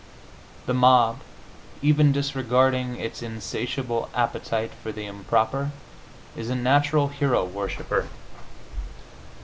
The mob, even disregarding its insatiable appetite for the improper, is a natural hero worshiper.